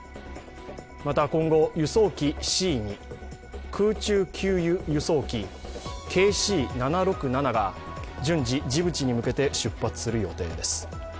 また今後、輸送機Ｃ−２空中給油・輸送機ＫＣ−７６７が順次ジブチに向けて出発する予定です。